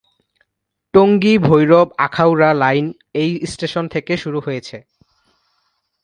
টঙ্গী-ভৈরব-আখাউড়া line এই station থেকে শুরু হয়েছে।